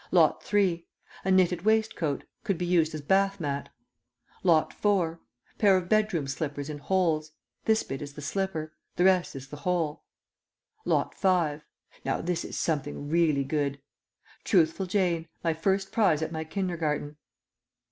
Lot Three. A knitted waistcoat; could be used as bath mat. Lot Four. Pair of bedroom slippers in holes. This bit is the slipper; the rest is the hole. Lot Five. Now this is something really good. Truthful Jane my first prize at my Kindergarten."